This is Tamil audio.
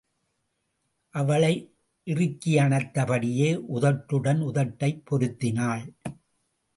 அவளை இறுக்கியணைத்தபடியே உதட்டுடன் உதட்டைப் பொருத்தினாள்.